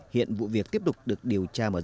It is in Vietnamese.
hiện vụ việc tiếp tục được điều tra mở rộng